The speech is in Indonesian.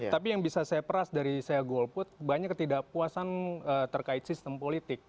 tapi yang bisa saya peras dari saya golput banyak ketidakpuasan terkait sistem politik